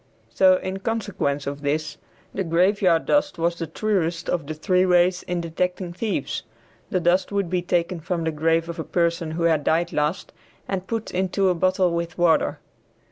So in consequence of this, the graveyard dust was the truest of the three ways in detecting thieves. The dust would be taken from the grave of a person who had died last and put into a bottle with water.